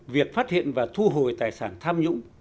việc phát hiện và thu hồi tài sản tham nhũng